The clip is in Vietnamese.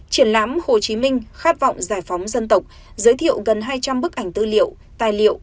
triển lãm hồ chí minh khát vọng giải phóng dân tộc giới thiệu gần hai trăm linh bức ảnh tư liệu tài liệu